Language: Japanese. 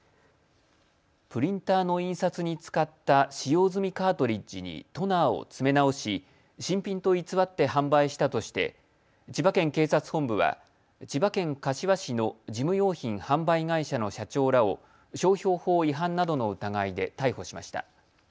プリンターの印刷に使った使用済みカートリッジにトナーを詰め直し新品と偽って販売したとして千葉県警察本部は千葉県柏市の事務用品販売会社の社長らを商標法違反などの疑いで逮捕しました。